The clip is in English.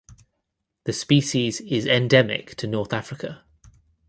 The species is endemic to North Africa.